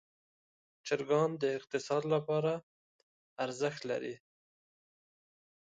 چرګان د اقتصاد لپاره ارزښت لري.